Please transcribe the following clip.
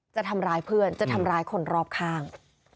จะทำร้ายเพื่อนจะทำร้ายคนรอบข้าง